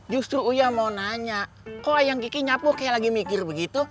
dia mau nanya kok ayang kiki nyapu kayak lagi mikir begitu